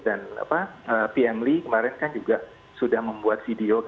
dan pm lee kemarin kan juga sudah membuat video